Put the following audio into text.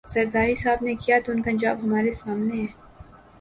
زرداری صاحب نے کیا تو ان کا انجام ہمارے سامنے ہے۔